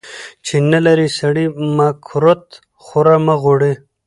چی نلرې سړي ، مه کورت خوره مه غوړي .